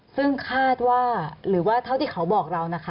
ซึ่งคาดว่าหรือว่าเท่าที่เขาบอกเรานะคะ